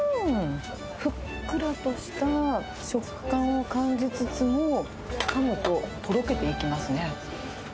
ふっくらとした食感を感じつつも、かむと、とろけていきますね。